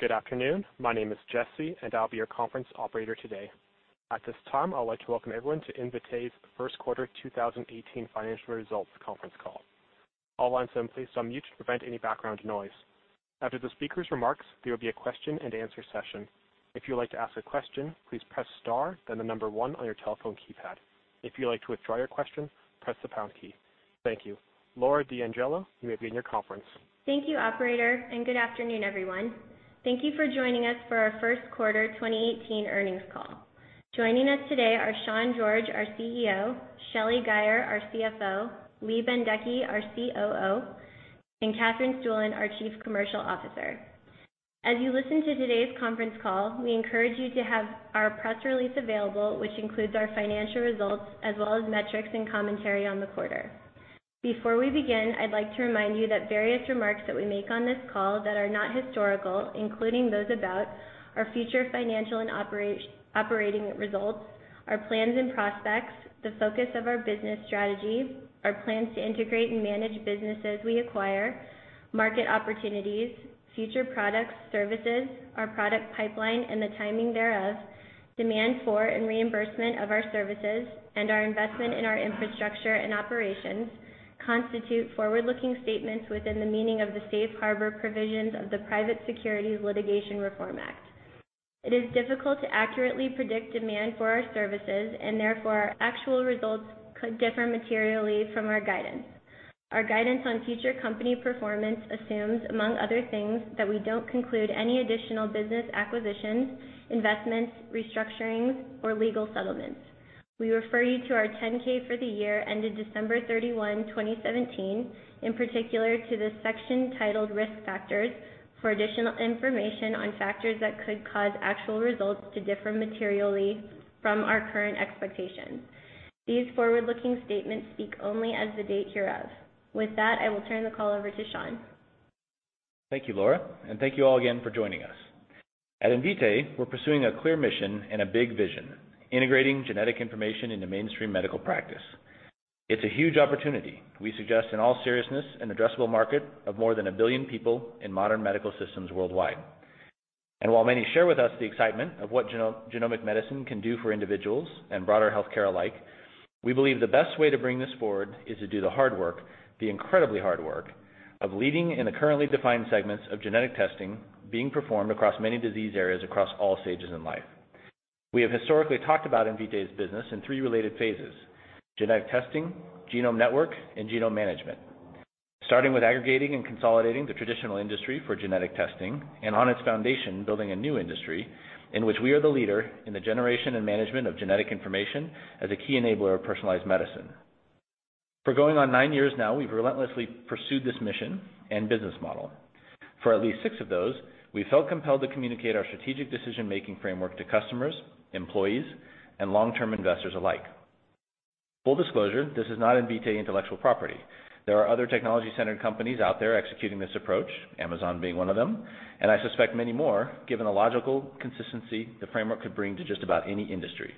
Good afternoon. My name is Jesse, and I'll be your conference operator today. At this time, I would like to welcome everyone to Invitae's First Quarter 2018 Financial Results Conference Call. All lines have been placed on mute to prevent any background noise. After the speakers' remarks, there will be a question and answer session. If you would like to ask a question, please press star, then the number one on your telephone keypad. If you'd like to withdraw your question, press the pound key. Thank you. Laura D'Angelo, you may begin your conference. Thank you, operator. Good afternoon, everyone. Thank you for joining us for our first quarter 2018 earnings call. Joining us today are Sean George, our CEO, Shelly Guyer, our CFO, Lee Bendekgey, our COO, and Katherine Stueland, our Chief Commercial Officer. As you listen to today's conference call, we encourage you to have our press release available, which includes our financial results as well as metrics and commentary on the quarter. Before we begin, I'd like to remind you that various remarks that we make on this call that are not historical, including those about our future financial and operating results, our plans and prospects, the focus of our business strategy, our plans to integrate and manage businesses we acquire, market opportunities, future products, services, our product pipeline, and the timing thereof, demand for and reimbursement of our services, and our investment in our infrastructure and operations, constitute forward-looking statements within the meaning of the Safe Harbor provisions of the Private Securities Litigation Reform Act. It is difficult to accurately predict demand for our services, and therefore, our actual results could differ materially from our guidance. Our guidance on future company performance assumes, among other things, that we don't conclude any additional business acquisitions, investments, restructurings, or legal settlements. We refer you to our 10-K for the year ended December 31, 2017, in particular to the section titled Risk Factors for additional information on factors that could cause actual results to differ materially from our current expectations. These forward-looking statements speak only as of the date hereof. With that, I will turn the call over to Sean. Thank you, Laura, and thank you all again for joining us. At Invitae, we're pursuing a clear mission and a big vision: integrating genetic information into mainstream medical practice. It's a huge opportunity. We suggest in all seriousness an addressable market of more than a billion people in modern medical systems worldwide. While many share with us the excitement of what genomic medicine can do for individuals and broader healthcare alike, we believe the best way to bring this forward is to do the hard work, the incredibly hard work of leading in the currently defined segments of Genetic Testing being performed across many disease areas, across all stages in life. We have historically talked about Invitae's business in three related phases: Genetic Testing, Genome Network, and Genome Management. Starting with aggregating and consolidating the traditional industry for Genetic Testing, and on its foundation, building a new industry in which we are the leader in the generation and management of genetic information as a key enabler of personalized medicine. For going on nine years now, we've relentlessly pursued this mission and business model. For at least six of those, we felt compelled to communicate our strategic decision-making framework to customers, employees, and long-term investors alike. Full disclosure, this is not Invitae intellectual property. There are other technology-centered companies out there executing this approach, Amazon being one of them. I suspect many more, given the logical consistency the framework could bring to just about any industry.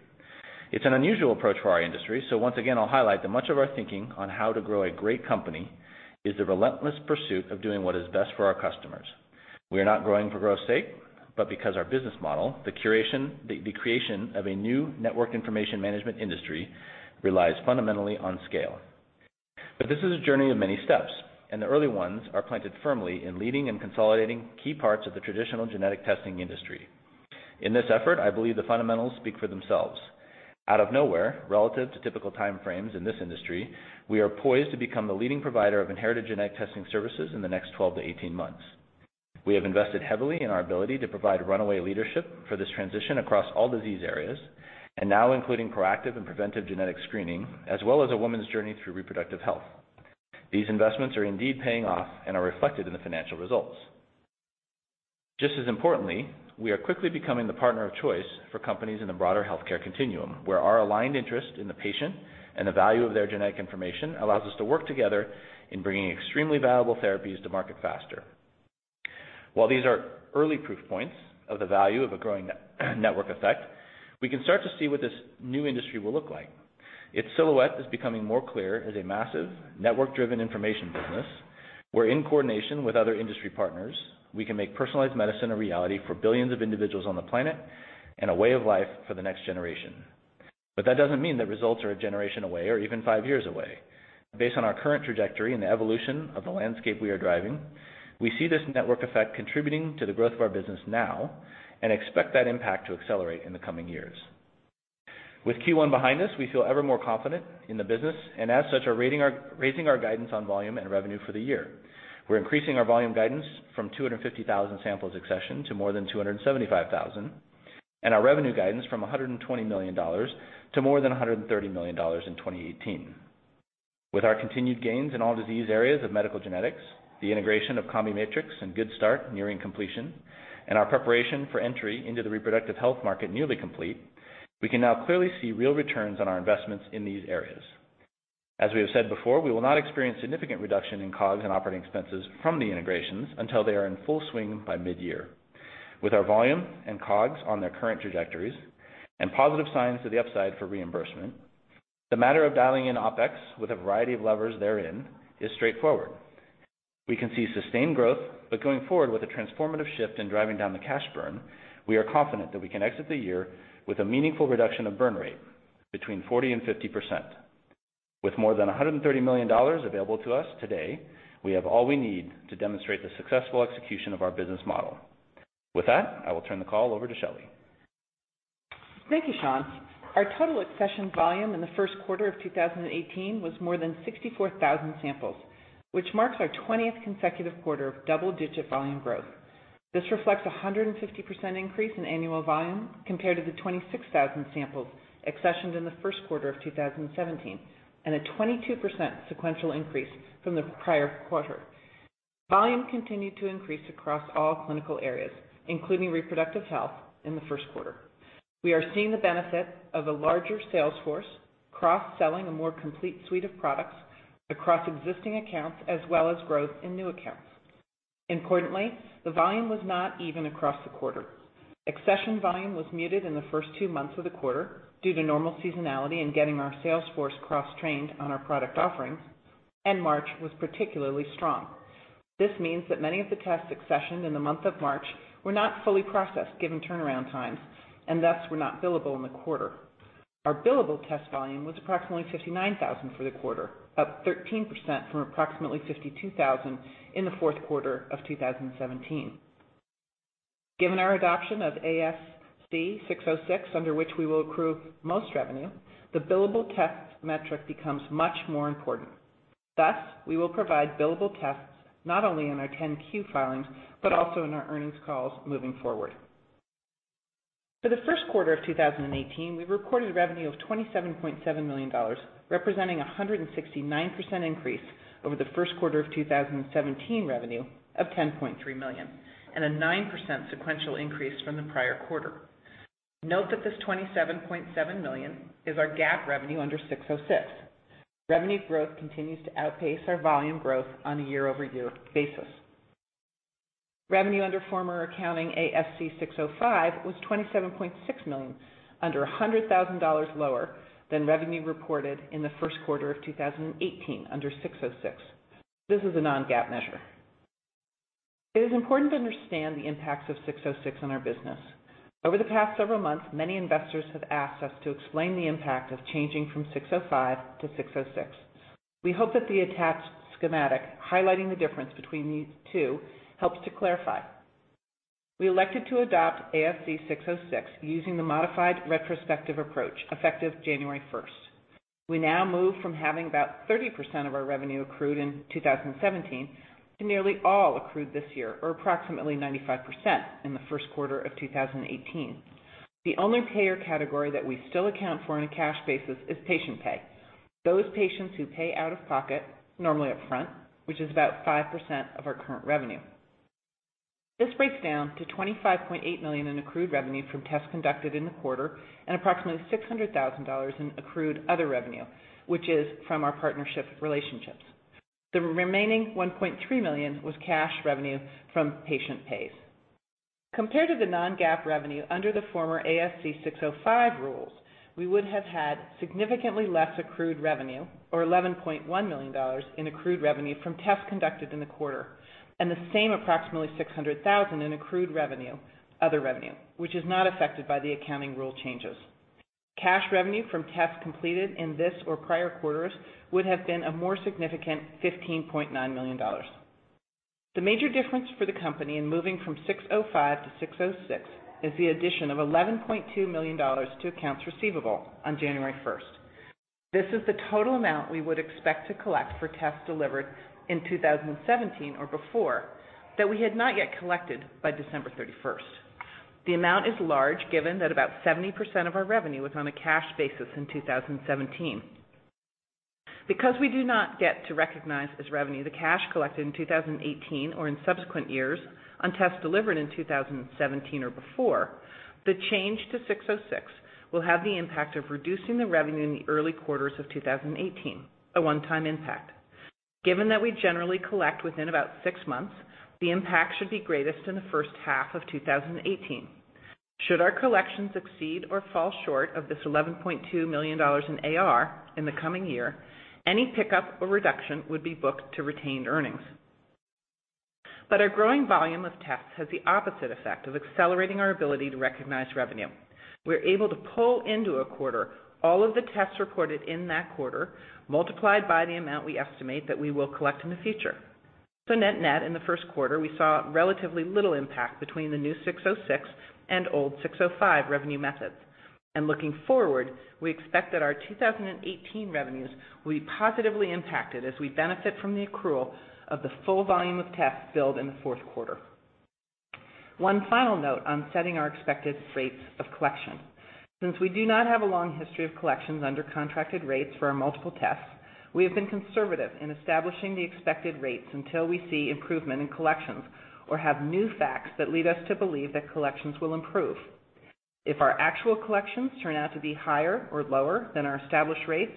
It's an unusual approach for our industry. Once again, I'll highlight that much of our thinking on how to grow a great company is the relentless pursuit of doing what is best for our customers. We are not growing for growth's sake, but because our business model, the creation of a new network information management industry, relies fundamentally on scale. This is a journey of many steps, and the early ones are planted firmly in leading and consolidating key parts of the traditional Genetic Testing industry. In this effort, I believe the fundamentals speak for themselves. Out of nowhere, relative to typical time frames in this industry, we are poised to become the leading provider of inherited genetic testing services in the next 12 to 18 months. We have invested heavily in our ability to provide runaway leadership for this transition across all disease areas, now including proactive and preventive genetic screening, as well as a woman's journey through reproductive health. These investments are indeed paying off and are reflected in the financial results. Just as importantly, we are quickly becoming the partner of choice for companies in the broader healthcare continuum, where our aligned interest in the patient and the value of their genetic information allows us to work together in bringing extremely valuable therapies to market faster. While these are early proof points of the value of a growing network effect, we can start to see what this new industry will look like. Its silhouette is becoming more clear as a massive, network-driven information business, where in coordination with other industry partners, we can make personalized medicine a reality for billions of individuals on the planet and a way of life for the next generation. That doesn't mean the results are a generation away or even five years away. Based on our current trajectory and the evolution of the landscape we are driving, we see this network effect contributing to the growth of our business now and expect that impact to accelerate in the coming years. With Q1 behind us, we feel ever more confident in the business, and as such, are raising our guidance on volume and revenue for the year. We're increasing our volume guidance from 250,000 samples accessioned to more than 275,000, and our revenue guidance from $120 million to more than $130 million in 2018. With our continued gains in all disease areas of medical genetics, the integration of CombiMatrix and Good Start nearing completion, and our preparation for entry into the reproductive health market nearly complete, we can now clearly see real returns on our investments in these areas. As we have said before, we will not experience significant reduction in COGS and operating expenses from the integrations until they are in full swing by mid-year. With our volume and COGS on their current trajectories and positive signs to the upside for reimbursement, the matter of dialing in OpEx with a variety of levers therein is straightforward. We can see sustained growth, going forward with a transformative shift in driving down the cash burn, we are confident that we can exit the year with a meaningful reduction of burn rate, between 40% and 50%. With more than $130 million available to us today, we have all we need to demonstrate the successful execution of our business model. With that, I will turn the call over to Shelly. Thank you, Sean. Our total accessioned volume in the first quarter of 2018 was more than 64,000 samples, which marks our 20th consecutive quarter of double-digit volume growth. This reflects 150% increase in annual volume compared to the 26,000 samples accessioned in the first quarter of 2017, and a 22% sequential increase from the prior quarter. Volume continued to increase across all clinical areas, including reproductive health in the first quarter. We are seeing the benefit of a larger sales force cross-selling a more complete suite of products across existing accounts, as well as growth in new accounts. Importantly, the volume was not even across the quarter. Accession volume was muted in the first two months of the quarter due to normal seasonality in getting our sales force cross-trained on our product offerings, and March was particularly strong. This means that many of the tests accessioned in the month of March were not fully processed, given turnaround times, and thus were not billable in the quarter. Our billable test volume was approximately 59,000 for the quarter, up 13% from approximately 52,000 in the fourth quarter of 2017. Given our adoption of ASC 606, under which we will accrue most revenue, the billable test metric becomes much more important. We will provide billable tests not only in our 10-Q filings, but also in our earnings calls moving forward. For the first quarter of 2018, we recorded revenue of $27.7 million, representing 169% increase over the first quarter of 2017 revenue of $10.3 million, and a 9% sequential increase from the prior quarter. Note that this $27.7 million is our GAAP revenue under 606. Revenue growth continues to outpace our volume growth on a year-over-year basis. Revenue under former accounting ASC 605 was $27.6 million, under $100,000 lower than revenue reported in the first quarter of 2018 under 606. This is a non-GAAP measure. It is important to understand the impacts of 606 on our business. Over the past several months, many investors have asked us to explain the impact of changing from 605 to 606. We hope that the attached schematic highlighting the difference between these two helps to clarify. We elected to adopt ASC 606 using the modified retrospective approach effective January 1st. We now move from having about 30% of our revenue accrued in 2017 to nearly all accrued this year, or approximately 95% in the first quarter of 2018. The only payer category that we still account for on a cash basis is patient pay. Those patients who pay out of pocket, normally up front, which is about 5% of our current revenue. This breaks down to $25.8 million in accrued revenue from tests conducted in the quarter and approximately $600,000 in accrued other revenue, which is from our partnership relationships. The remaining $1.3 million was cash revenue from patient pays. Compared to the non-GAAP revenue under the former ASC 605 rules, we would have had significantly less accrued revenue or $11.1 million in accrued revenue from tests conducted in the quarter, and the same approximately $600,000 in accrued other revenue, which is not affected by the accounting rule changes. Cash revenue from tests completed in this or prior quarters would have been a more significant $15.9 million. The major difference for the company in moving from 605 to 606 is the addition of $11.2 million to accounts receivable on January 1st. This is the total amount we would expect to collect for tests delivered in 2017 or before that we had not yet collected by December 31st. The amount is large, given that about 70% of our revenue was on a cash basis in 2017. Because we do not get to recognize as revenue the cash collected in 2018 or in subsequent years on tests delivered in 2017 or before, the change to 606 will have the impact of reducing the revenue in the early quarters of 2018, a one-time impact. Given that we generally collect within about six months, the impact should be greatest in the first half of 2018. Should our collections exceed or fall short of this $11.2 million in AR in the coming year, any pickup or reduction would be booked to retained earnings. Our growing volume of tests has the opposite effect of accelerating our ability to recognize revenue. We are able to pull into a quarter all of the tests reported in that quarter, multiplied by the amount we estimate that we will collect in the future. Net net, in the first quarter, we saw relatively little impact between the new ASC 606 and old ASC 605 revenue methods. Looking forward, we expect that our 2018 revenues will be positively impacted as we benefit from the accrual of the full volume of tests billed in the fourth quarter. One final note on setting our expected rates of collection. Since we do not have a long history of collections under contracted rates for our multiple tests, we have been conservative in establishing the expected rates until we see improvement in collections or have new facts that lead us to believe that collections will improve. If our actual collections turn out to be higher or lower than our established rates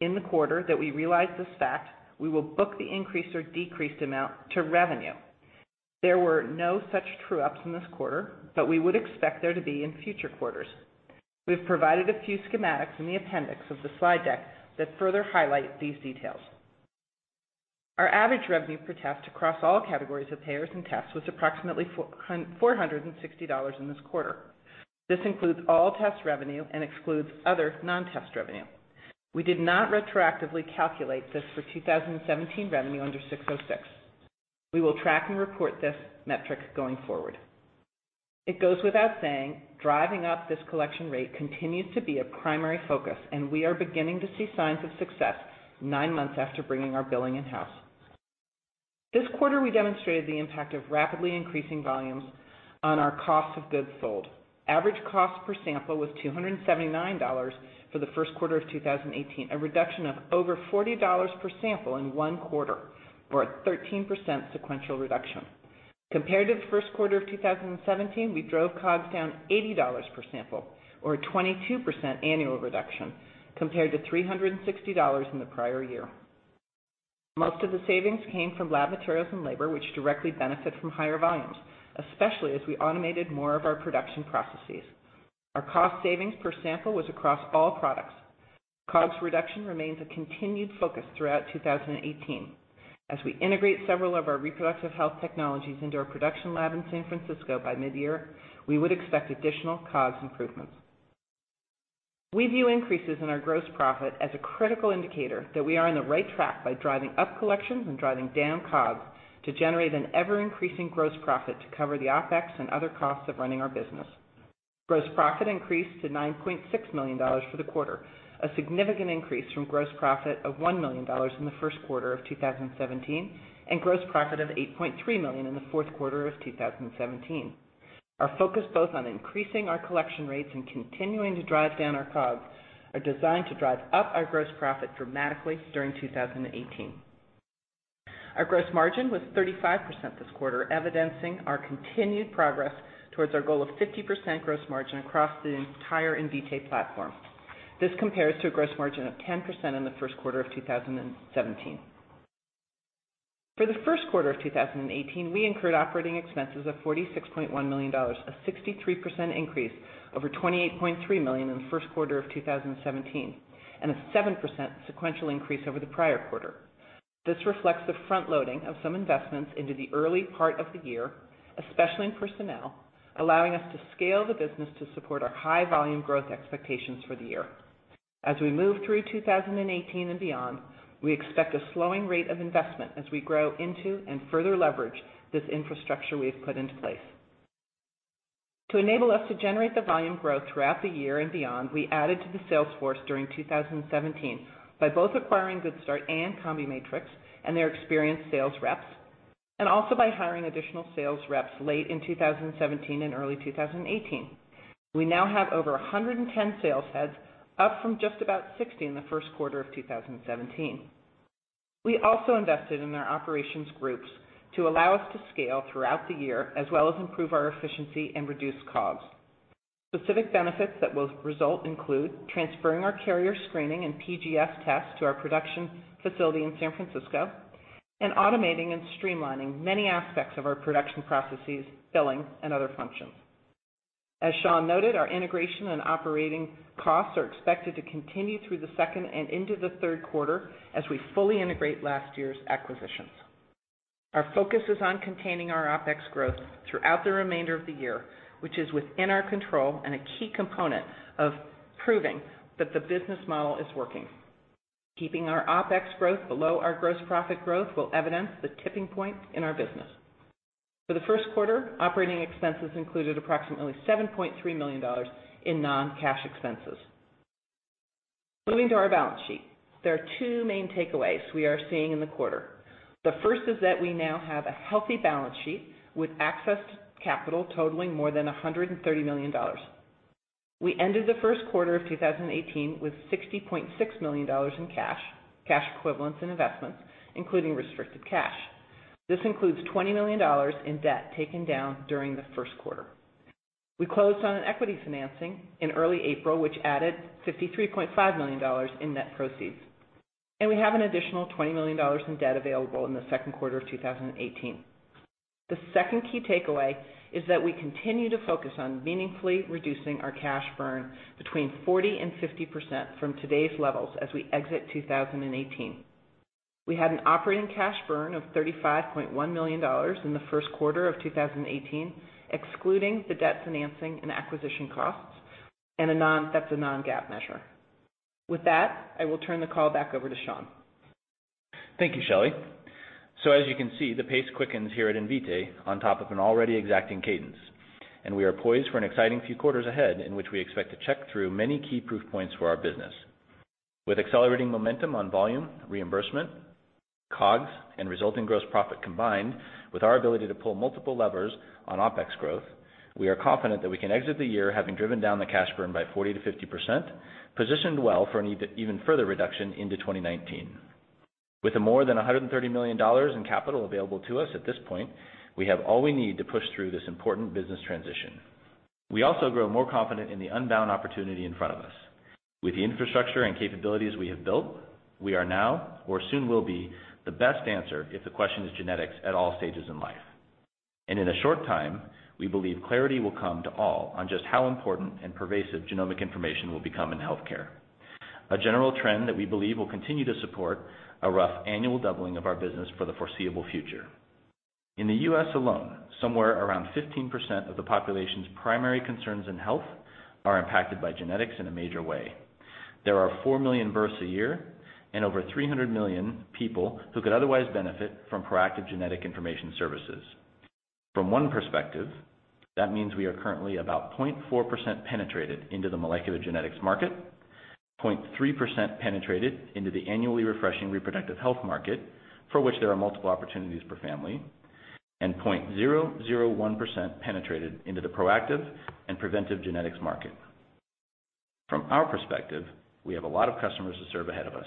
in the quarter that we realize this fact, we will book the increased or decreased amount to revenue. There were no such true-ups in this quarter, but we would expect there to be in future quarters. We have provided a few schematics in the appendix of the slide deck that further highlight these details. Our average revenue per test across all categories of payers and tests was approximately $460 in this quarter. This includes all test revenue and excludes other non-test revenue. We did not retroactively calculate this for 2017 revenue under ASC 606. We will track and report this metric going forward. It goes without saying, driving up this collection rate continues to be a primary focus, and we are beginning to see signs of success nine months after bringing our billing in-house. This quarter, we demonstrated the impact of rapidly increasing volumes on our cost of goods sold. Average cost per sample was $279 for the first quarter of 2018, a reduction of over $40 per sample in one quarter, or a 13% sequential reduction. Compared to the first quarter of 2017, we drove COGS down $80 per sample or a 22% annual reduction compared to $360 in the prior year. Most of the savings came from lab materials and labor, which directly benefit from higher volumes, especially as we automated more of our production processes. Our cost savings per sample was across all products. COGS reduction remains a continued focus throughout 2018. As we integrate several of our reproductive health technologies into our production lab in San Francisco by mid-year, we would expect additional COGS improvements. We view increases in our gross profit as a critical indicator that we are on the right track by driving up collections and driving down COGS to generate an ever-increasing gross profit to cover the OpEx and other costs of running our business. Gross profit increased to $9.6 million for the quarter, a significant increase from gross profit of $1 million in the first quarter of 2017 and gross profit of $8.3 million in the fourth quarter of 2017. Our focus both on increasing our collection rates and continuing to drive down our COGS are designed to drive up our gross profit dramatically during 2018. Our gross margin was 35% this quarter, evidencing our continued progress towards our goal of 50% gross margin across the entire Invitae platform. This compares to a gross margin of 10% in the first quarter of 2017. For the first quarter of 2018, we incurred operating expenses of $46.1 million, a 63% increase over $28.3 million in the first quarter of 2017, and a 7% sequential increase over the prior quarter. This reflects the front-loading of some investments into the early part of the year, especially in personnel, allowing us to scale the business to support our high volume growth expectations for the year. As we move through 2018 and beyond, we expect a slowing rate of investment as we grow into and further leverage this infrastructure we have put into place. To enable us to generate the volume growth throughout the year and beyond, we added to the sales force during 2017 by both acquiring Good Start and CombiMatrix and their experienced sales reps, and also by hiring additional sales reps late in 2017 and early 2018. We now have over 110 sales heads, up from just about 60 in the first quarter of 2017. We also invested in our operations groups to allow us to scale throughout the year, as well as improve our efficiency and reduce costs. Specific benefits that will result include transferring our carrier screening and PGS tests to our production facility in San Francisco and automating and streamlining many aspects of our production processes, billing, and other functions. As Sean noted, our integration and operating costs are expected to continue through the second and into the third quarter as we fully integrate last year's acquisitions. Our focus is on containing our OpEx growth throughout the remainder of the year, which is within our control and a key component of proving that the business model is working. Keeping our OpEx growth below our gross profit growth will evidence the tipping point in our business. For the first quarter, operating expenses included approximately $7.3 million in non-cash expenses. Moving to our balance sheet, there are two main takeaways we are seeing in the quarter. The first is that we now have a healthy balance sheet with access to capital totaling more than $130 million. We ended the first quarter of 2018 with $60.6 million in cash equivalents, and investments, including restricted cash. This includes $20 million in debt taken down during the first quarter. We closed on an equity financing in early April, which added $53.5 million in net proceeds, and we have an additional $20 million in debt available in the second quarter of 2018. The second key takeaway is that we continue to focus on meaningfully reducing our cash burn between 40% and 50% from today's levels as we exit 2018. We had an operating cash burn of $35.1 million in the first quarter of 2018, excluding the debt financing and acquisition costs, and that's a non-GAAP measure. With that, I will turn the call back over to Sean. Thank you, Shelly. As you can see, the pace quickens here at Invitae on top of an already exacting cadence, and we are poised for an exciting few quarters ahead in which we expect to check through many key proof points for our business. With accelerating momentum on volume, reimbursement, COGS, and resulting gross profit combined with our ability to pull multiple levers on OpEx growth, we are confident that we can exit the year having driven down the cash burn by 40%-50%, positioned well for an even further reduction into 2019. With more than $130 million in capital available to us at this point, we have all we need to push through this important business transition. We also grow more confident in the unbound opportunity in front of us. With the infrastructure and capabilities we have built, we are now or soon will be the best answer if the question is genetics at all stages in life. In a short time, we believe clarity will come to all on just how important and pervasive genomic information will become in healthcare. A general trend that we believe will continue to support a rough annual doubling of our business for the foreseeable future. In the U.S. alone, somewhere around 15% of the population's primary concerns in health are impacted by genetics in a major way. There are 4 million births a year and over 300 million people who could otherwise benefit from proactive genetic information services. From one perspective, that means we are currently about 0.4% penetrated into the molecular genetics market, 0.3% penetrated into the annually refreshing reproductive health market, for which there are multiple opportunities per family, and 0.001% penetrated into the proactive and preventive genetics market. From our perspective, we have a lot of customers to serve ahead of us.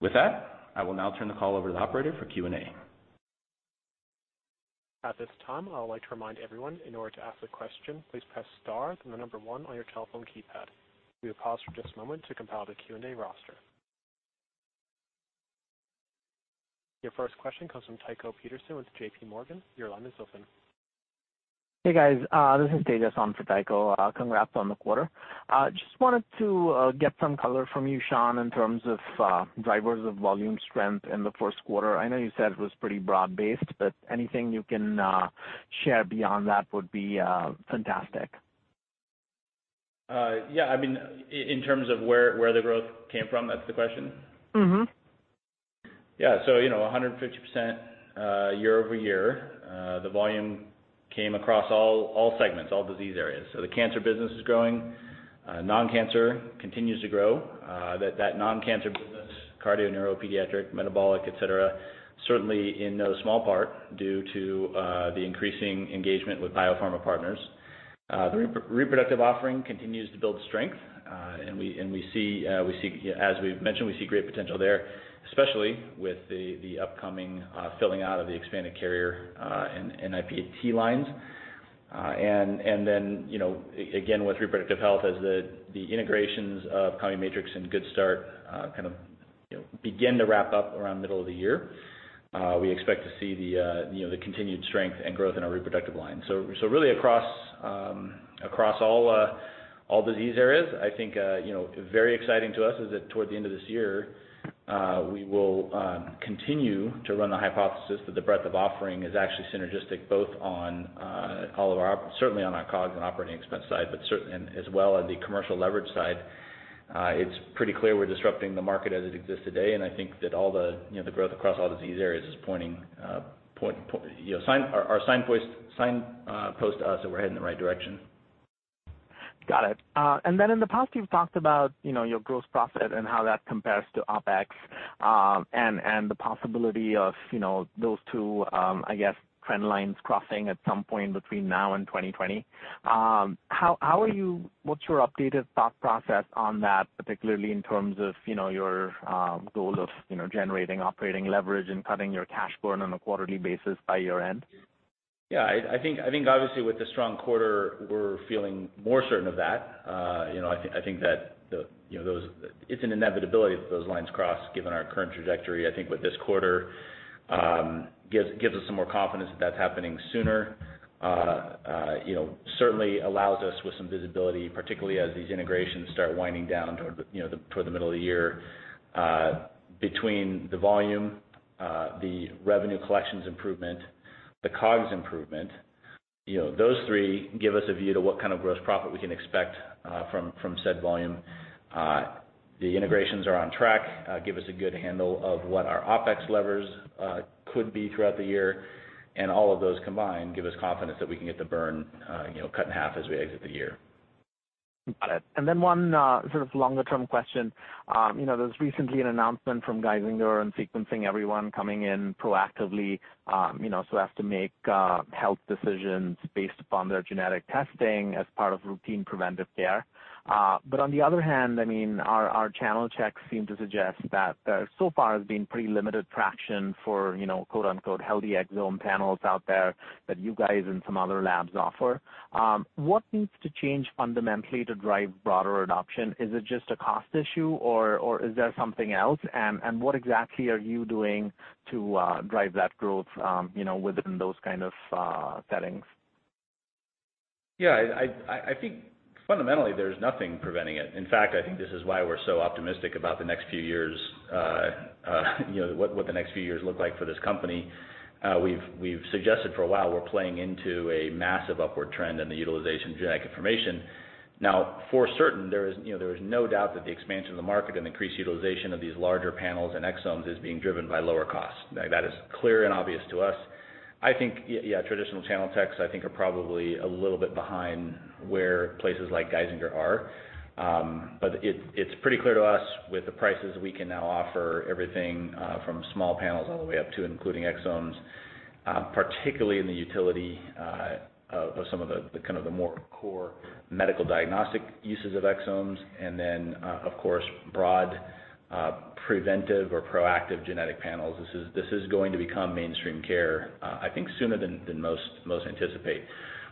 With that, I will now turn the call over to the operator for Q&A. At this time, I would like to remind everyone, in order to ask a question, please press star, then 1 on your telephone keypad. We will pause for just a moment to compile the Q&A roster. Your first question comes from Tycho Peterson with J.P. Morgan. Your line is open. Hey, guys. This is Tejas on for Tycho. Congrats on the quarter. Just wanted to get some color from you, Sean, in terms of drivers of volume strength in the first quarter. I know you said it was pretty broad-based, anything you can share beyond that would be fantastic. Yeah. In terms of where the growth came from, that's the question? Yeah. 150% year-over-year. The volume came across all segments, all disease areas. The cancer business is growing. Non-cancer continues to grow. That non-cancer business, cardio, neuro, pediatric, metabolic, et cetera, certainly in small part due to the increasing engagement with biopharma partners. The reproductive offering continues to build strength. As we've mentioned, we see great potential there, especially with the upcoming filling out of the expanded carrier and NIPT lines. Then, again, with reproductive health, as the integrations of CombiMatrix and Good Start kind of begin to wrap up around middle of the year, we expect to see the continued strength and growth in our reproductive line. Really across all disease areas. I think, very exciting to us is that toward the end of this year, we will continue to run the hypothesis that the breadth of offering is actually synergistic both on all of our, certainly on our COGS and operating expense side, certain as well on the commercial leverage side. It's pretty clear we're disrupting the market as it exists today, I think that all the growth across all disease areas Are signpost to us that we're heading in the right direction. Got it. In the past, you've talked about your gross profit and how that compares to OpEx and the possibility of those two, I guess, trend lines crossing at some point between now and 2020. What's your updated thought process on that, particularly in terms of your goal of generating operating leverage and cutting your cash burn on a quarterly basis by year-end? I think obviously with the strong quarter, we're feeling more certain of that. I think that it's an inevitability that those lines cross, given our current trajectory. I think with this quarter, gives us some more confidence that that's happening sooner. Certainly allows us with some visibility, particularly as these integrations start winding down toward the middle of the year. Between the volume, the revenue collections improvement, the COGS improvement, those three give us a view to what kind of gross profit we can expect from said volume. The integrations are on track, give us a good handle of what our OpEx levers could be throughout the year, and all of those combined give us confidence that we can get the burn cut in half as we exit the year. Got it. One sort of longer-term question. There was recently an announcement from Geisinger on sequencing everyone coming in proactively, so as to make health decisions based upon their genetic testing as part of routine preventive care. On the other hand, our channel checks seem to suggest that there so far has been pretty limited traction for quote-unquote healthy exome panels out there that you guys and some other labs offer. What needs to change fundamentally to drive broader adoption? Is it just a cost issue, or is there something else? What exactly are you doing to drive that growth within those kind of settings? I think fundamentally, there's nothing preventing it. In fact, I think this is why we're so optimistic about what the next few years look like for this company. We've suggested for a while, we're playing into a massive upward trend in the utilization of genetic information. Now, for certain, there is no doubt that the expansion of the market and increased utilization of these larger panels and exomes is being driven by lower costs. That is clear and obvious to us. I think traditional channel checks, I think, are probably a little bit behind where places like Geisinger are. It's pretty clear to us with the prices we can now offer everything from small panels all the way up to and including exomes, particularly in the utility of some of the kind of the more core medical diagnostic uses of exomes, and then, of course, broad preventive or proactive genetic panels. This is going to become mainstream care, I think sooner than most anticipate.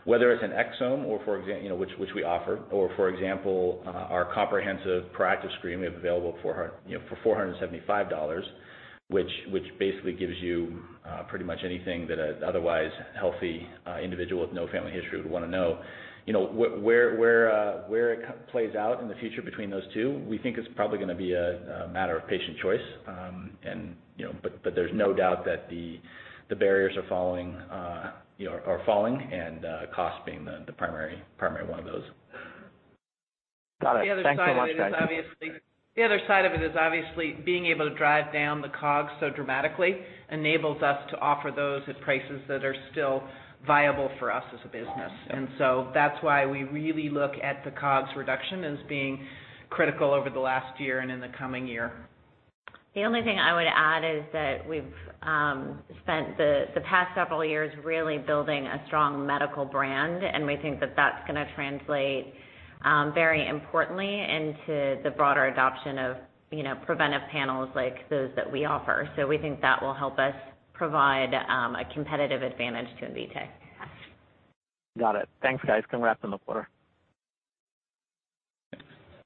Whether it's an exome, which we offer, or, for example, our comprehensive proactive screening we have available for $475, which basically gives you pretty much anything that an otherwise healthy individual with no family history would want to know. Where it plays out in the future between those two, we think is probably going to be a matter of patient choice. There's no doubt that the barriers are falling and cost being the primary one of those. Got it. Thanks so much, guys. The other side of it is obviously being able to drive down the COGS so dramatically enables us to offer those at prices that are still viable for us as a business. That's why we really look at the COGS reduction as being critical over the last year and in the coming year. The only thing I would add is that we've spent the past several years really building a strong medical brand, and we think that's going to translate very importantly into the broader adoption of preventive panels like those that we offer. We think that will help us provide a competitive advantage to Invitae. Got it. Thanks, guys. Going to wrap on the quarter.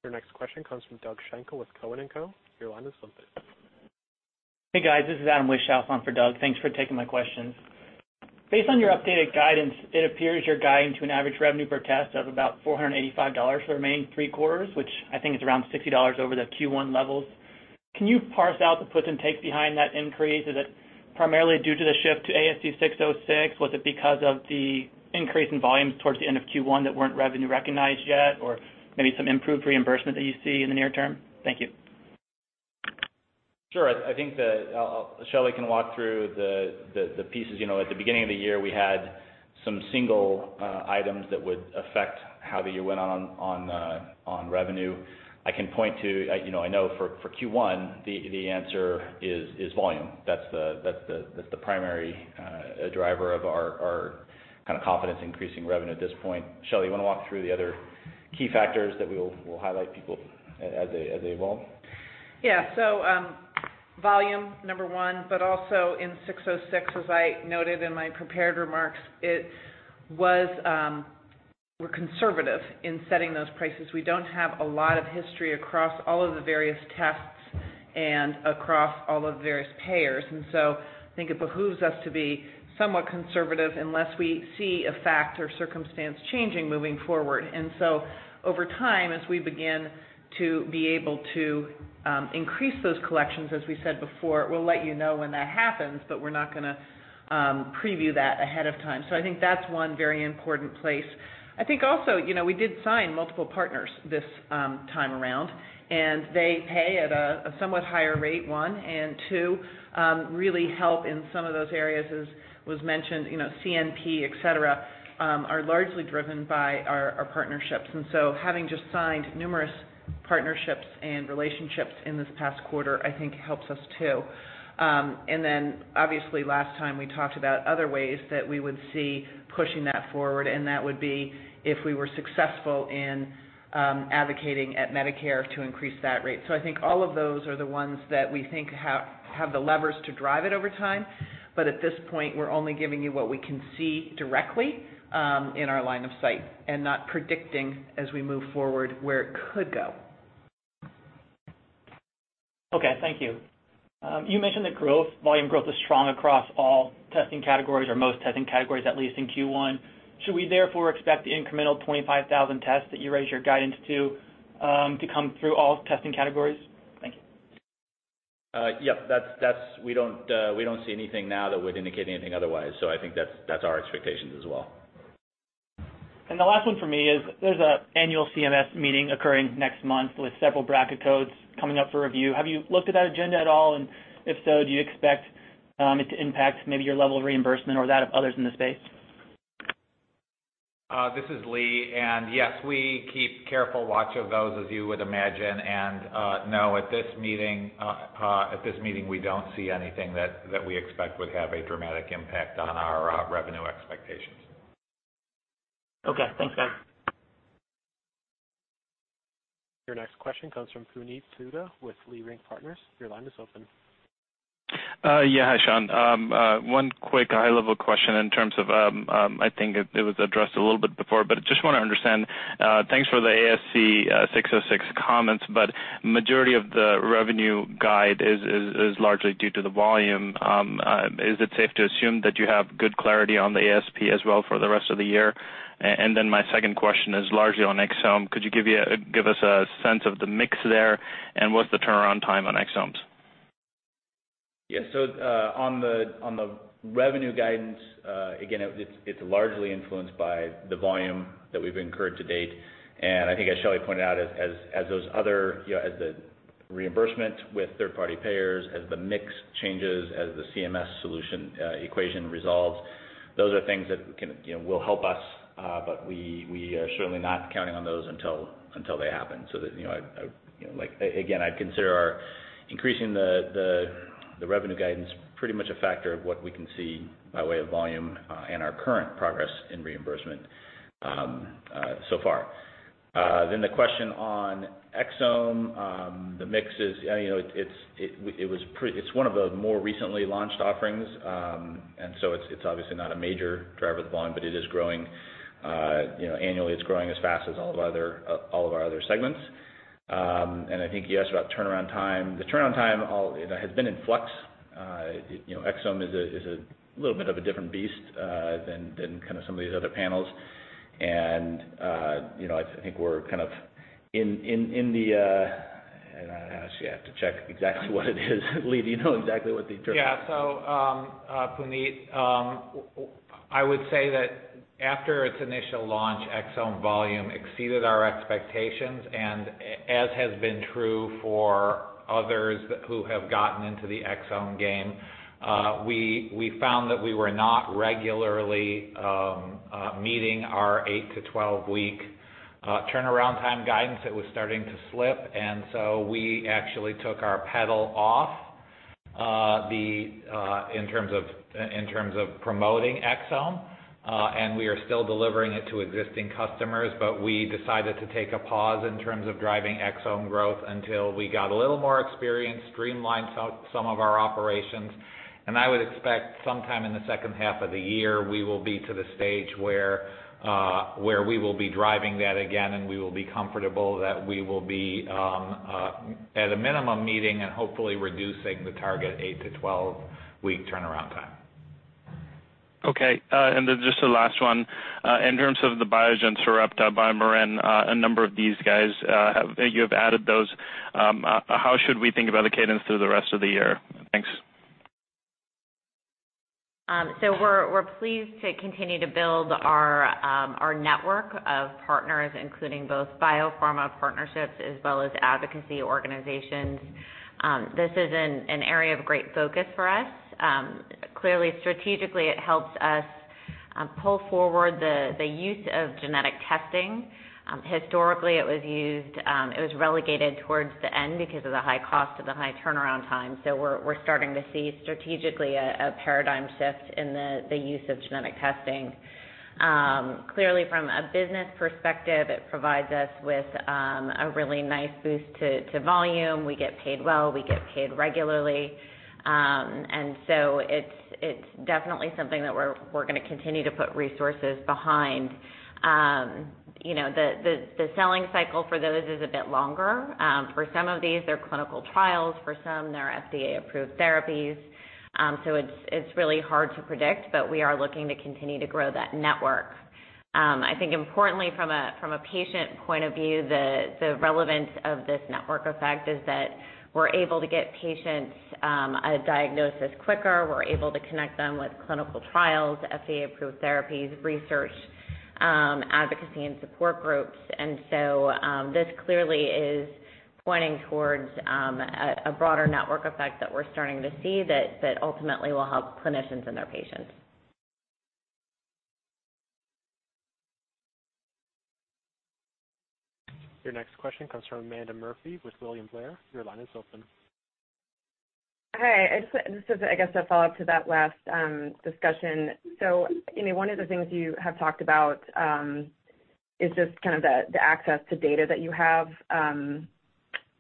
Your next question comes from Doug Schenkel with Cowen and Company. Your line is open. Hey, guys. This is Adam Wieschhaus on for Doug. Thanks for taking my questions. Based on your updated guidance, it appears you're guiding to an average revenue per test of about $485 for the remaining three quarters, which I think is around $60 over the Q1 levels. Can you parse out the puts and takes behind that increase? Is it primarily due to the shift to ASC 606? Was it because of the increase in volumes towards the end of Q1 that weren't revenue recognized yet, or maybe some improved reimbursement that you see in the near term? Thank you. Sure. I think that Shelly can walk through the pieces. At the beginning of the year, we had some single items that would affect how the year went on revenue. I can point to, I know for Q1, the answer is volume. That's the primary driver of our kind of confidence increasing revenue at this point. Shelly, you want to walk through the other key factors that we will highlight people as they evolve? Yeah. Volume number 1, but also in 606, as I noted in my prepared remarks, we are conservative in setting those prices. We do not have a lot of history across all of the various tests and across all the various payers. I think it behooves us to be somewhat conservative unless we see a fact or circumstance changing moving forward. Over time, as we begin to be able to increase those collections, as we said before, we will let you know when that happens, but we are not going to preview that ahead of time. I think that is one very important place. I think also, we did sign multiple partners this time around, and they pay at a somewhat higher rate, one, and two, really help in some of those areas, as was mentioned, CNP, et cetera, are largely driven by our partnerships. Having just signed numerous partnerships and relationships in this past quarter, I think helps us too. Obviously, last time we talked about other ways that we would see pushing that forward, and that would be if we were successful in advocating at Medicare to increase that rate. I think all of those are the ones that we think have the levers to drive it over time. At this point, we are only giving you what we can see directly in our line of sight and not predicting as we move forward where it could go. Okay. Thank you. You mentioned that volume growth is strong across all testing categories or most testing categories, at least in Q1. Should we therefore expect the incremental 25,000 tests that you raised your guidance to come through all testing categories? Thank you. Yeah. We do not see anything now that would indicate anything otherwise. I think that is our expectations as well. The last one for me is, there's an annual CMS meeting occurring next month with several bracket codes coming up for review. Have you looked at that agenda at all? If so, do you expect it to impact maybe your level of reimbursement or that of others in the space? This is Lee. Yes, we keep careful watch of those, as you would imagine. No, at this meeting, we don't see anything that we expect would have a dramatic impact on our revenue expectations. Okay. Thanks, guys. Your next question comes from Puneet Souda with Leerink Partners. Your line is open. Hi, Sean. One quick high-level question in terms of, I think it was addressed a little bit before, but just want to understand. Thanks for the ASC 606 comments. Majority of the revenue guide is largely due to the volume. Is it safe to assume that you have good clarity on the ASP as well for the rest of the year? My second question is largely on exome. Could you give us a sense of the mix there, and what's the turnaround time on exomes? On the revenue guidance, again, it's largely influenced by the volume that we've incurred to date. I think as Shelly pointed out, as the reimbursement with third-party payers, as the mix changes, as the CMS solution equation resolves, those are things that will help us. We are certainly not counting on those until they happen. Again, I'd consider our increasing the revenue guidance pretty much a factor of what we can see by way of volume and our current progress in reimbursement so far. The question on exome. The mix is, it's one of the more recently launched offerings, and so it's obviously not a major driver of the volume, but it is growing. Annually, it's growing as fast as all of our other segments. I think you asked about turnaround time. The turnaround time has been in flux. Exome is a little bit of a different beast than some of these other panels. I think we're in the. Actually, I have to check exactly what it is. Lee, do you know exactly what the turnaround time is? Puneet, I would say that after its initial launch, exome volume exceeded our expectations, and as has been true for others who have gotten into the exome game, we found that we were not regularly meeting our 8-12-week turnaround time guidance. It was starting to slip. We actually took our pedal off in terms of promoting exome. We are still delivering it to existing customers, but we decided to take a pause in terms of driving exome growth until we got a little more experience, streamlined some of our operations. I would expect sometime in the second half of the year, we will be to the stage where we will be driving that again, and we will be comfortable that we will be, at a minimum, meeting and hopefully reducing the target 8-12-week turnaround time. Okay. Just the last one. In terms of the Biogen, Sarepta, BioMarin, a number of these guys, you have added those. How should we think about the cadence through the rest of the year? Thanks. We're pleased to continue to build our network of partners, including both biopharma partnerships as well as advocacy organizations. This is an area of great focus for us. Clearly, strategically, it helps us pull forward the use of genetic testing. Historically, it was relegated towards the end because of the high cost and the high turnaround time. We're starting to see, strategically, a paradigm shift in the use of genetic testing. Clearly, from a business perspective, it provides us with a really nice boost to volume. We get paid well, we get paid regularly. It's definitely something that we're going to continue to put resources behind. The selling cycle for those is a bit longer. For some of these, they're clinical trials, for some, they're FDA-approved therapies. It's really hard to predict, but we are looking to continue to grow that network. I think importantly from a patient point of view, the relevance of this network effect is that we're able to get patients a diagnosis quicker. We're able to connect them with clinical trials, FDA-approved therapies, research, advocacy, and support groups. This clearly is pointing towards a broader network effect that we're starting to see that ultimately will help clinicians and their patients. Your next question comes from Amanda Murphy with William Blair. Your line is open. Hi, this is I guess a follow-up to that last discussion. One of the things you have talked about is just kind of the access to data that you have,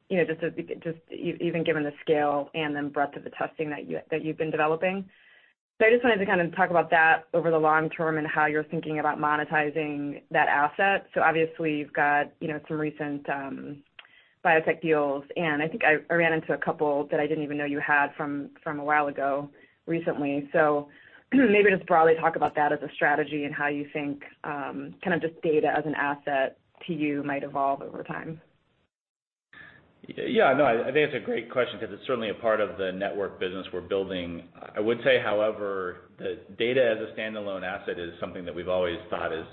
even given the scale and the breadth of the testing that you've been developing. I just wanted to kind of talk about that over the long term and how you're thinking about monetizing that asset. Obviously you've got some recent biotech deals, and I think I ran into a couple that I didn't even know you had from a while ago, recently. Maybe just broadly talk about that as a strategy and how you think, kind of just data as an asset to you might evolve over time. Yeah, no, I think that's a great question because it's certainly a part of the network business we're building. I would say, however, that data as a standalone asset is something that we've always thought is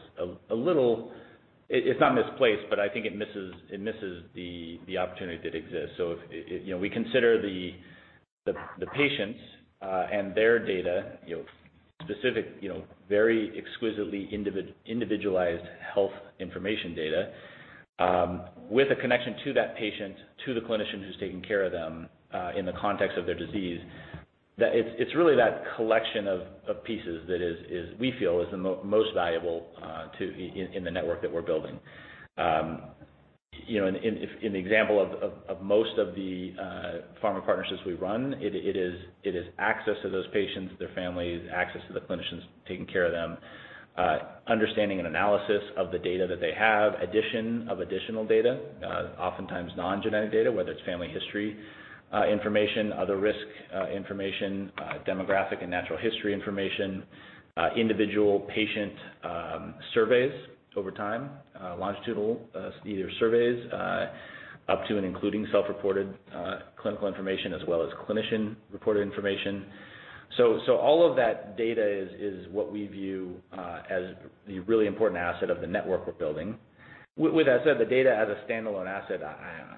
not misplaced, but I think it misses the opportunity that exists. We consider the patients, and their data, specific, very exquisitely individualized health information data, with a connection to that patient, to the clinician who's taking care of them, in the context of their disease. That it's really that collection of pieces that we feel is the most valuable in the network that we're building. In the example of most of the pharma partnerships we run, it is access to those patients, their families, access to the clinicians taking care of them, understanding and analysis of the data that they have, addition of additional data, oftentimes non-genetic data, whether it's family history information, other risk information, demographic and natural history information, individual patient surveys over time, longitudinal either surveys, up to and including self-reported clinical information as well as clinician-reported information. All of that data is what we view as the really important asset of the network we're building. With that said, the data as a standalone asset,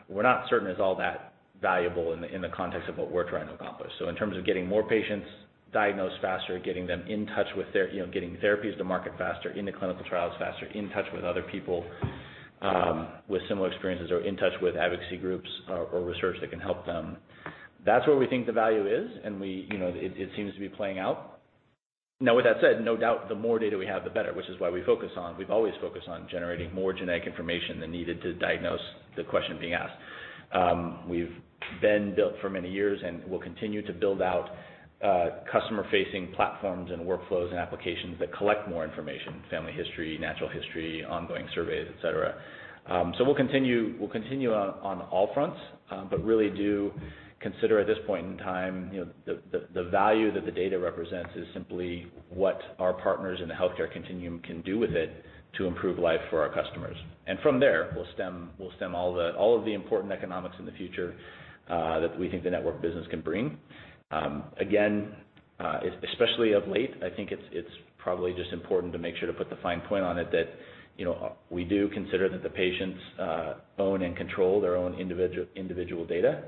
we're not certain is all that valuable in the context of what we're trying to accomplish. In terms of getting more patients diagnosed faster, getting therapies to market faster, into clinical trials faster, in touch with other people with similar experiences, or in touch with advocacy groups or research that can help them. That's where we think the value is, and it seems to be playing out. Now, with that said, no doubt, the more data we have the better, which is why we've always focused on generating more genetic information than needed to diagnose the question being asked. We've been built for many years, and we'll continue to build out customer-facing platforms and workflows and applications that collect more information, family history, natural history, ongoing surveys, et cetera. We'll continue on all fronts. Really do consider at this point in time, the value that the data represents is simply what our partners in the healthcare continuum can do with it to improve life for our customers. From there, we'll stem all of the important economics in the future that we think the network business can bring. Again, especially of late, I think it's probably just important to make sure to put the fine point on it that, we do consider that the patients own and control their own individual data.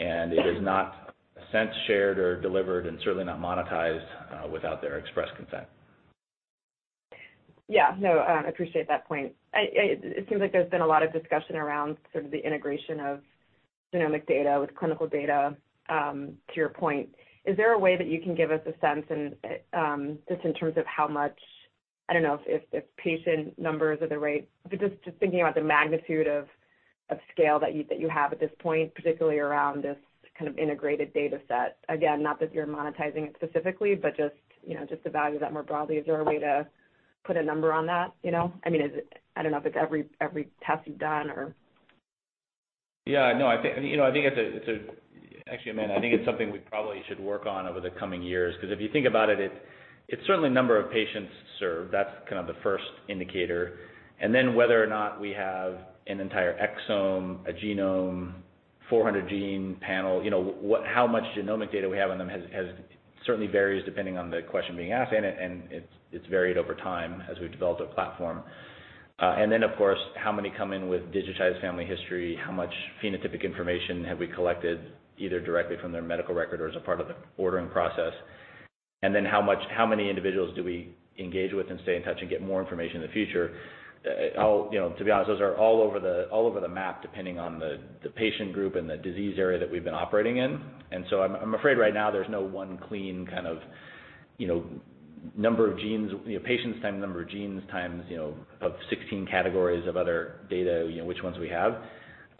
It is not, in a sense, shared or delivered, and certainly not monetized, without their express consent. Yeah. No, I appreciate that point. It seems like there's been a lot of discussion around the integration of genomic data with clinical data, to your point. Is there a way that you can give us a sense, just in terms of how much, I don't know if it's patient numbers or the rate, but just thinking about the magnitude of scale that you have at this point, particularly around this kind of integrated data set. Again, not that you're monetizing it specifically, but just the value of that more broadly. Is there a way to put a number on that? I don't know if it's every test you've done or Yeah. Actually, Amanda, I think it's something we probably should work on over the coming years, because if you think about it's certainly the number of patients served. That's kind of the first indicator. Then whether or not we have an entire exome, a genome, 400-gene panel. How much genomic data we have on them certainly varies depending on the question being asked, and it's varied over time as we've developed our platform. Then, of course, how many come in with digitized family history? How much phenotypic information have we collected, either directly from their medical record or as a part of the ordering process? Then how many individuals do we engage with and stay in touch and get more information in the future? To be honest, those are all over the map, depending on the patient group and the disease area that we've been operating in. I'm afraid right now there's no one clean kind of patients times number of genes times 16 categories of other data, which ones we have.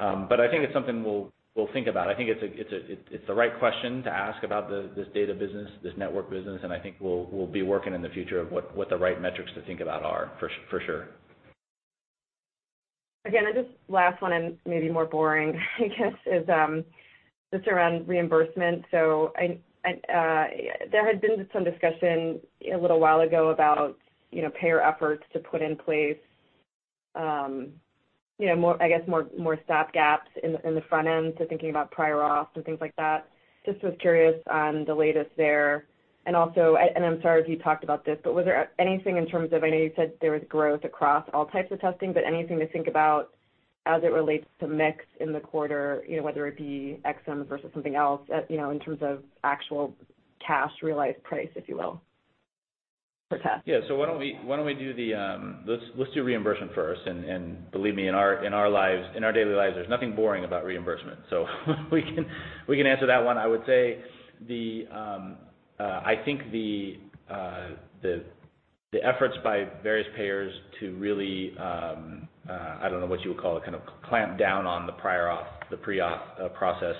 I think it's something we'll think about. I think it's the right question to ask about this data business, this network business, I think we'll be working in the future of what the right metrics to think about are, for sure. Just last one, maybe more boring, I guess, is just around reimbursement. There had been some discussion a little while ago about payer efforts to put in place I guess more stopgaps in the front end to thinking about prior authorization and things like that. I was curious on the latest there. I'm sorry if you talked about this, I know you said there was growth across all types of testing, anything to think about as it relates to mix in the quarter, whether it be exomes versus something else, in terms of actual cash realized price, if you will, per test? Let's do reimbursement first. Believe me, in our daily lives, there's nothing boring about reimbursement. We can answer that one. I would say, I think the efforts by various payers to really, I don't know what you would call it, kind of clamp down on the prior authorization process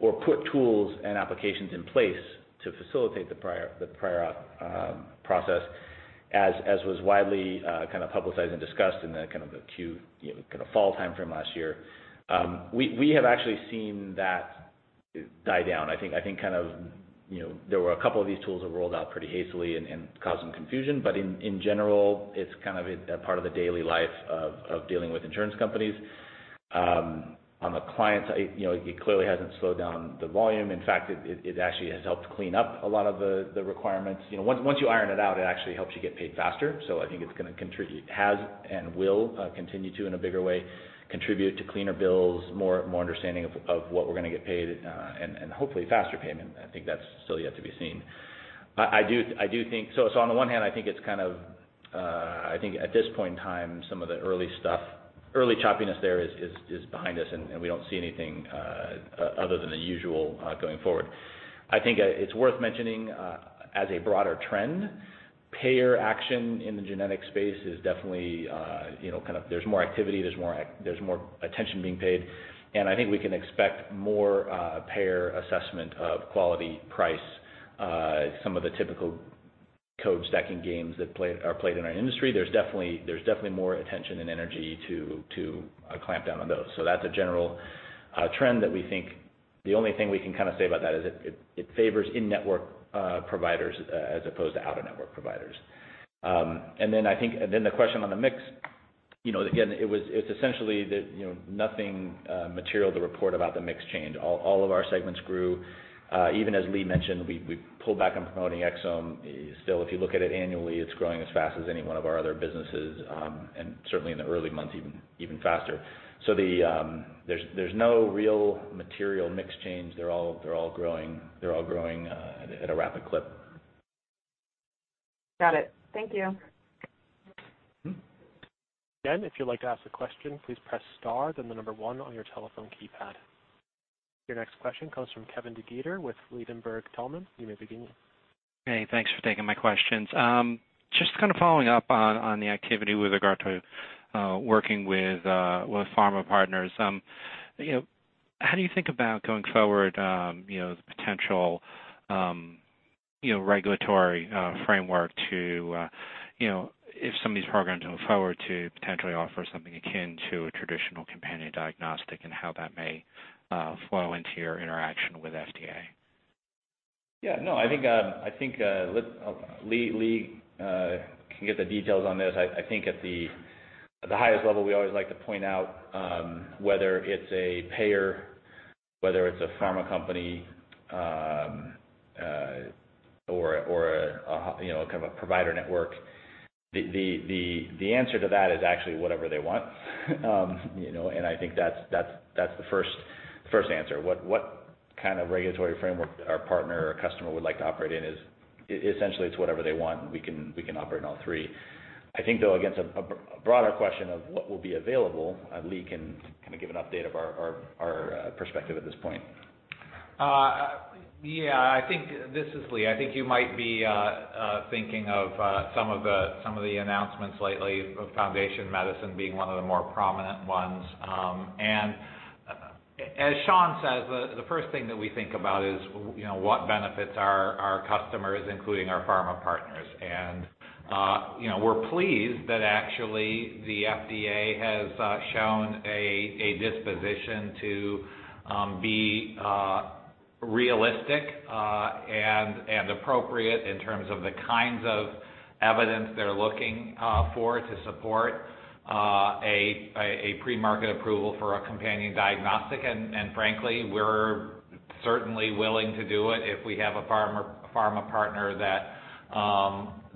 or put tools and applications in place to facilitate the prior authorization process, as was widely kind of publicized and discussed in the kind of acute fall timeframe last year. We have actually seen that die down. I think there were a couple of these tools that rolled out pretty hastily and caused some confusion, in general, it's kind of a part of the daily life of dealing with insurance companies. On the client side, it clearly hasn't slowed down the volume. In fact, it actually has helped clean up a lot of the requirements. Once you iron it out, it actually helps you get paid faster. I think it has and will continue to, in a bigger way, contribute to cleaner bills, more understanding of what we're going to get paid, and hopefully faster payment. I think that's still yet to be seen. On the one hand, I think at this point in time, some of the early choppiness there is behind us, we don't see anything other than the usual going forward. I think it's worth mentioning, as a broader trend, payer action in the genetic space is definitely, there's more activity, there's more attention being paid, I think we can expect more payer assessment of quality price. Some of the typical code-stacking games that are played in our industry, there's definitely more attention and energy to clamp down on those. That's a general trend that we think the only thing we can say about that is it favors in-network providers as opposed to out-of-network providers. The question on the mix. It's essentially that nothing material to report about the mix change. All of our segments grew. Even as Lee mentioned, we pulled back on promoting exome. Still, if you look at it annually, it's growing as fast as any one of our other businesses, certainly in the early months, even faster. There's no real material mix change. They're all growing at a rapid clip. Got it. Thank you. Again, if you'd like to ask a question, please press star then the number 1 on your telephone keypad. Your next question comes from Kevin DeGeeter with Ladenburg Thalmann. You may begin. Hey, thanks for taking my questions. Just following up on the activity with regard to working with pharma partners. How do you think about going forward, the potential regulatory framework to, if some of these programs move forward to potentially offer something akin to a traditional companion diagnostic and how that may flow into your interaction with FDA? Yeah. I think Lee can get the details on this. I think at the highest level, we always like to point out, whether it's a payer, whether it's a pharma company, or a kind of provider network, the answer to that is actually whatever they want. I think that's the first answer. What kind of regulatory framework our partner or customer would like to operate in is essentially it's whatever they want, and we can operate in all three. I think, though, again, it's a broader question of what will be available. Lee can give an update of our perspective at this point. Yeah. This is Lee. I think you might be thinking of some of the announcements lately, with Foundation Medicine being one of the more prominent ones. As Sean says, the first thing that we think about is what benefits our customers, including our pharma partners. We're pleased that actually the FDA has shown a disposition to be realistic and appropriate in terms of the kinds of evidence they're looking for to support a pre-market approval for a companion diagnostic. Frankly, we're certainly willing to do it if we have a pharma partner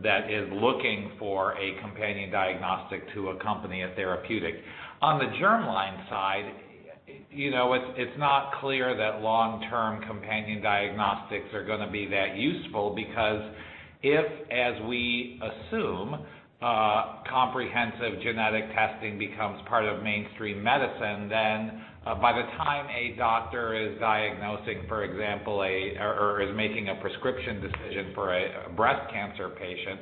that is looking for a companion diagnostic to accompany a therapeutic. On the germline side, it's not clear that long-term companion diagnostics are going to be that useful because if, as we assume, comprehensive genetic testing becomes part of mainstream medicine, by the time a doctor is diagnosing, for example, or is making a prescription decision for a breast cancer patient,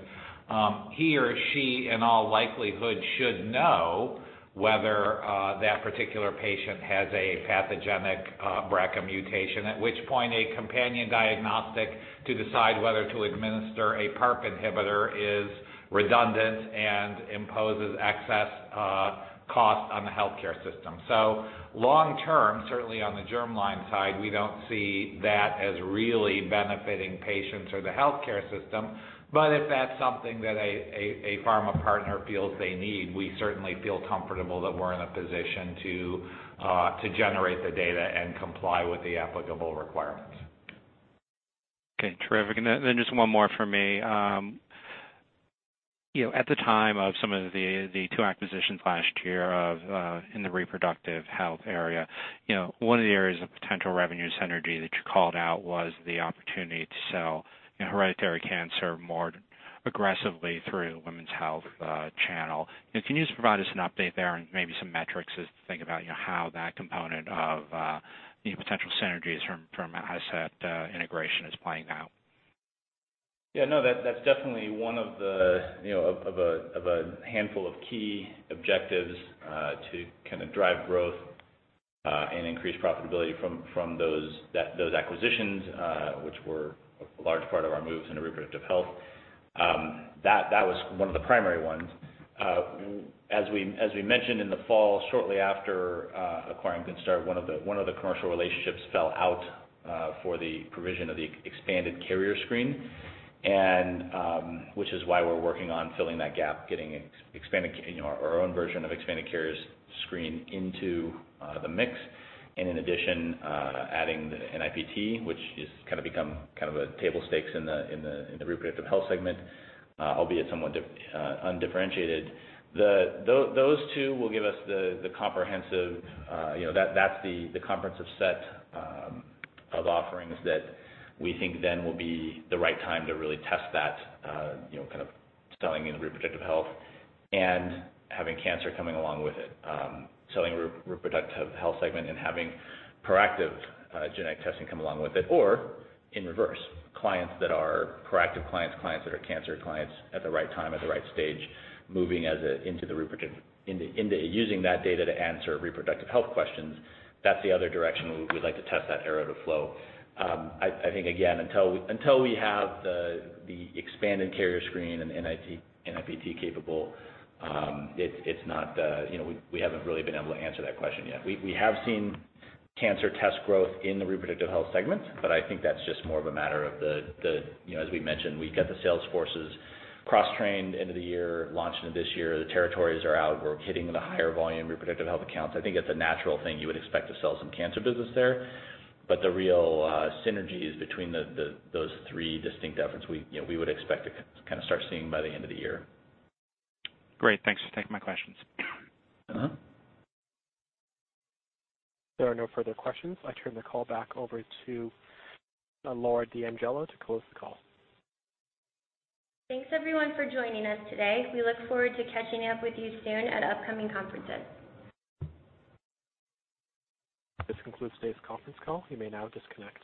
he or she in all likelihood should know whether that particular patient has a pathogenic BRCA mutation. At which point, a companion diagnostic to decide whether to administer a PARP inhibitor is redundant and imposes excess cost on the healthcare system. Long term, certainly on the germline side, we don't see that as really benefiting patients or the healthcare system. If that's something that a pharma partner feels they need, we certainly feel comfortable that we're in a position to generate the data and comply with the applicable requirements. Okay, terrific. Just one more from me. At the time of some of the two acquisitions last year in the reproductive health area, one of the areas of potential revenue synergy that you called out was the opportunity to sell hereditary cancer more aggressively through the women's health channel. Can you just provide us an update there and maybe some metrics as to think about how that component of potential synergies from asset integration is playing out? Yeah, no, that's definitely one of a handful of key objectives to drive growth and increase profitability from those acquisitions, which were a large part of our moves into reproductive health. That was one of the primary ones. As we mentioned in the fall, shortly after acquiring Good Start, one of the commercial relationships fell out for the provision of the expanded carrier screen. Which is why we're working on filling that gap, getting our own version of expanded carrier screen into the mix. In addition, adding NIPT, which has become a table stakes in the reproductive health segment, albeit somewhat undifferentiated. Those two will give us the comprehensive set of offerings that we think then will be the right time to really test that, selling in the reproductive health and having cancer coming along with it. Selling reproductive health segment, having proactive genetic testing come along with it. In reverse, clients that are proactive clients that are cancer clients at the right time, at the right stage, using that data to answer reproductive health questions. That's the other direction we'd like to test that arrow to flow. I think, again, until we have the expanded carrier screen and NIPT capable, we haven't really been able to answer that question yet. We have seen cancer test growth in the reproductive health segment, but I think that's just more of a matter of the, as we mentioned, we got the sales forces cross-trained end of the year, launch into this year. The territories are out. We're hitting the higher volume reproductive health accounts. I think it's a natural thing. You would expect to sell some cancer business there. The real synergy is between those three distinct efforts we would expect to start seeing by the end of the year. Great. Thanks for taking my questions. There are no further questions. I turn the call back over to Laura D'Angelo to close the call. Thanks everyone for joining us today. We look forward to catching up with you soon at upcoming conferences. This concludes today's conference call. You may now disconnect.